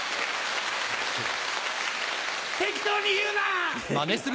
適当に言うな！